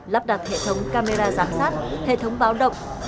lắp đặt hệ thống camera giám sát hệ thống báo động